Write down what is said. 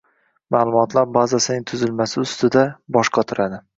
Ma’lumotlar bazasining tuzilmasi ustida bosh qotiradi